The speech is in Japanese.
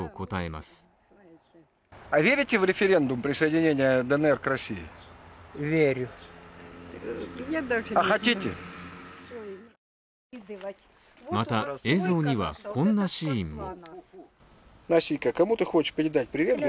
また、映像にはこんなシーンも。